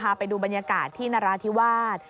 พาไปดูบรรยาการที่ราธิวาศ